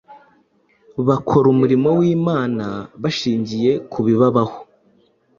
Bakora umurimo w’Imana bashingiye ku bibabaho.